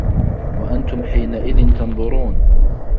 وَأَنتُم حينَئِذٍ تَنظُرونَ